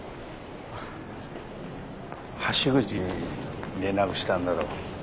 橋口に連絡しただろ。